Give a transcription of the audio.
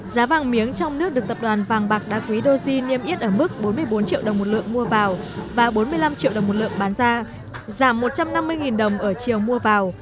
giá vàng miếng trong nước được tập đoàn vàng bạc đá quý doji niêm yết ở mức bốn mươi bốn triệu đồng một lượng mua vào và bốn mươi năm triệu đồng một lượng bán ra giảm một trăm năm mươi đồng ở chiều mua vào